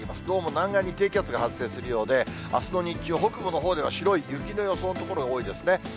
どうも南岸に低気圧が発生するようで、あすの日中、北部のほうでは白い雪の予報が多いですね。